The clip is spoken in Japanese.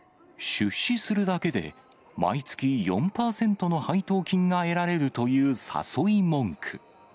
出資するだけで、毎月４％の配当金が得られるという誘い文句。